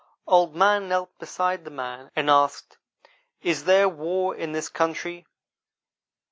Old man knelt beside the man and asked: 'Is there war in this country?